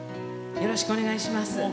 よろしくお願いします。